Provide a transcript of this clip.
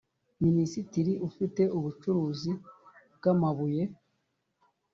Minisitiri ufite ubucukuzi bw amabuye